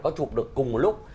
có chụp được cùng một lúc